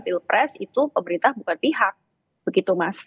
pilpres itu pemerintah bukan pihak begitu mas